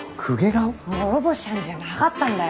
諸星判事じゃなかったんだよ。